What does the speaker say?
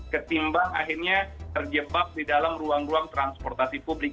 ketimbang akhirnya terjebak di dalam ruang ruang transportasi publik